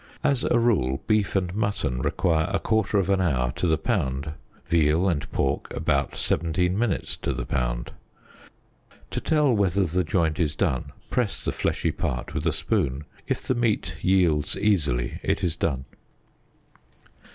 As a rule beef and mutton require a quarter of an hour to the pound; veal and pork about 17 minutes to the pound. To tell whether the joint is done, press the fleshy part with a spoon ; if the meat yield easily it is done.